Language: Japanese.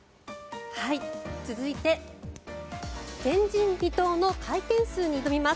続いて前人未到の回転数に挑みます。